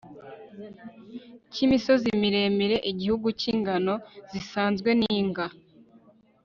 k imisozi miremire igihugu cy ingano zisanzwe n inga